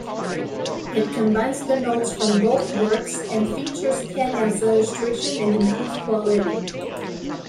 It combines the notes from both works and features Tenniel's illustrations in improved quality.